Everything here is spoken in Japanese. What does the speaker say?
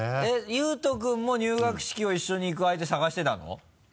悠人君も入学式を一緒に行く相手探してたの？